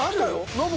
ノブ